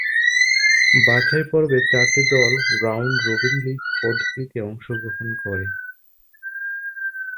বাছাই পর্বে চারটি দল রাউন্ড রবিন লীগ পদ্ধতিতে অংশগ্রহণ করে।